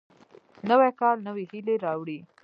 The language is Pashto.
نوی کال نوې هیلې راوړي